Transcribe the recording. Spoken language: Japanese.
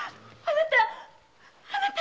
あなた！